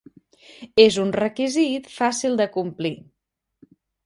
És un requisit fàcil de complir.